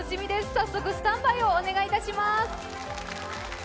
早速スタンバイをお願いします。